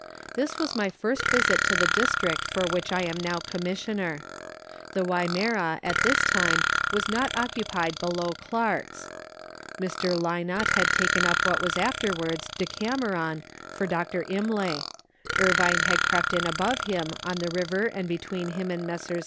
This was my first visit to the district for which I am now Commissioner. The Wimmera at this time was not occupied below Clarke's. Mr. Lynott had taken up what was afterwards " Decameron " for Dr. Imlay. Irvine had crept in above him on the river and between him and Messrs.